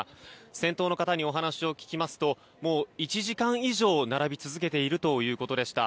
先頭の方にお話を聞きますともう１時間以上並び続けているということでした。